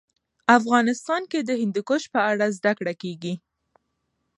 افغانستان کې د هندوکش په اړه زده کړه کېږي.